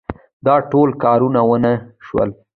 دا ټوله کارونه ونه شول.